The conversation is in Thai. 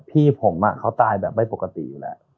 พี่ผมเขาตายแบบไม่ปกติแหละ